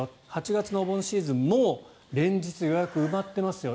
８月のお盆シーズンもう連日、予約埋まってますよ。